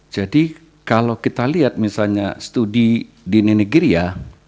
jadi kalau kita lihat misalnya studi di negeri ya